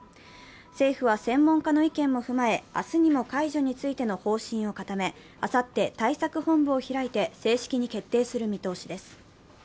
政府は、専門家の意見も踏まえ、明日にも解除についての方針を固め、あさって対策本部を開いて正式に決定する見通しです。